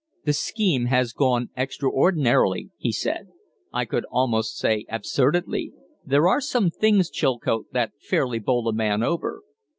"The scheme has gone extraordinarily," he said. "I could almost say absurdly. There are some things, Chilcote, that fairly bowl a man over."